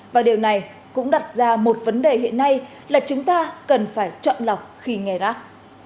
và điều này cũng đặt ra một vấn đề hiện nay là chúng ta cần phải chậm lọc khi nghe rác